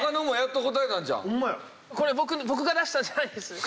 これ僕が出したんじゃないんです。